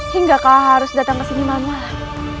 hingga kau harus datang ke sini malam malam